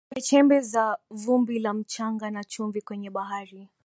chembechembe za vumbi la mchanga na chumvi kwenye bahari